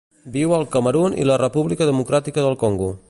Viu al Camerun i la República Democràtica del Congo.